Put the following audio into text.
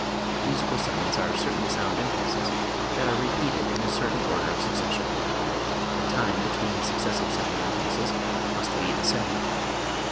Musical sounds are single sound impulses that are repeated in a cer tain o.der of succession. The time between the successive sound impulses must be the same.